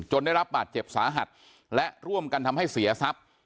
ได้รับบาดเจ็บสาหัสและร่วมกันทำให้เสียทรัพย์